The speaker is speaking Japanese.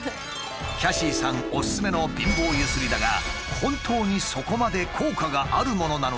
キャシーさんおすすめの貧乏ゆすりだが本当にそこまで効果があるものなのだろうか？